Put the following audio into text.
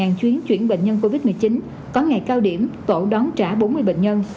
hàng chuyến chuyển bệnh nhân covid một mươi chín có ngày cao điểm tổ đón trả bốn mươi bệnh nhân